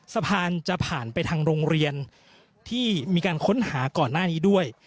สะพานจะผ่านไปทางโรงเรียนที่มีการค้นหาก่อนหน้านี้ด้วย